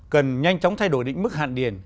cần nhanh chóng thay đổi định mức hạn điền